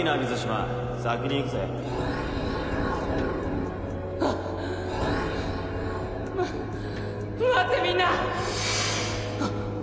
ま待ってみんなあっ！